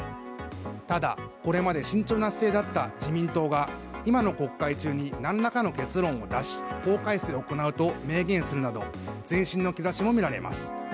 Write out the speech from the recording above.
ただ、これまで慎重な姿勢だった自民党が今の国会中に何らかの結論を出し、法改正を行うと明言するなど、前進の兆しも見られます。